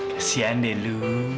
kasian deh lu